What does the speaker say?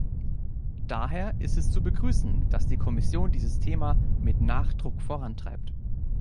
Daher ist es zu begrüßen, dass die Kommission dieses Thema mit Nachdruck vorantreibt.